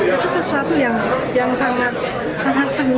itu sesuatu yang yang sangat sangat penting